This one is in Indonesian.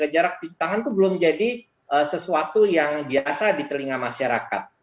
jarak cuci tangan itu belum jadi sesuatu yang biasa di telinga masyarakat